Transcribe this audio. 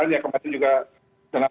yang kemarin juga terdengarkan